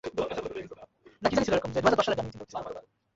তুমি আমাদের শেষ করে দিয়েছ!